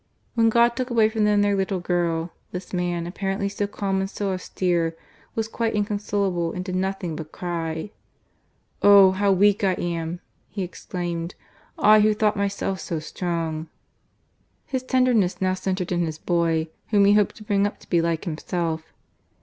When God took away from them their little girl, this man apparently so calm and so austere, was quite incon solable and did nothing but cry. " O ! how weak I am," he exclaimed. " I, who thought myself so strong !" His tenderness now centred in his boy, whom he hoped to bring up to be like himself.